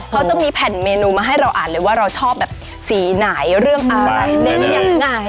เขาจะมีแผ่นเมนูมาให้เราอ่านเลยว่าเราชอบแบบสีไหนเรื่องอะไรเน้นยังไง